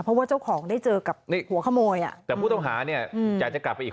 เพราะว่าเจ้าของได้เจอกับหัวขโมยอ่ะแต่ผู้ต้องหาเนี่ยอยากจะกลับไปอีก